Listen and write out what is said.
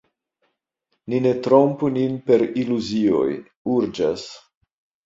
Ni ne trompu nin per iluzioj; urĝas.